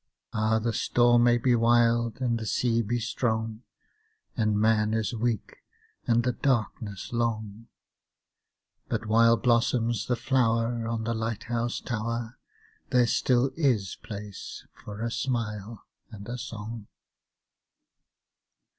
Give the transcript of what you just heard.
Ah, the storm may be wild and the sea be strong, And man is weak and the darkness long, But while blossoms the flower on the light house tower There still is place for a smile and a song.